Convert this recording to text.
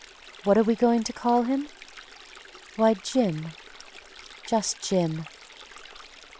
What are we going to call him? Why, Jim, just Jim.